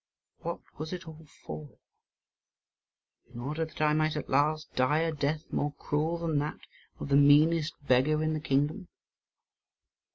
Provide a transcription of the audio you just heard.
What was it all for? In order that I might at last die a death more cruel than that of the meanest beggar in the kingdom?